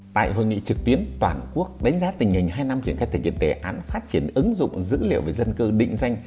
tại hội nghị trực tuyến toàn quốc đánh giá tình hình hai năm triển khai thực hiện đề án phát triển ứng dụng dữ liệu về dân cư định danh